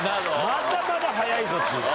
「まだまだ早いぞ！」という。